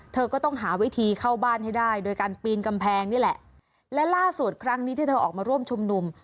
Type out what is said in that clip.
เธอก็ต้องหาวิธีเข้าบ้านให้ได้โดยการปีนกำแพงนี่แหละและล่าสุดครั้งนี้ที่เธอออกมาร่วมชุมนุม